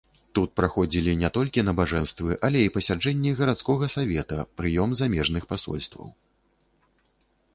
Тут праходзілі не толькі набажэнствы, але і пасяджэнні гарадскога савета, прыём замежных пасольстваў.